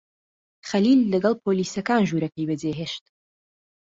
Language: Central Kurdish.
خەلیل لەگەڵ پۆلیسەکان ژوورەکەی بەجێهێشت.